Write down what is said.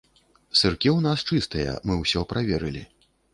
Сыркі ў нас чыстыя, мы ўсё праверылі.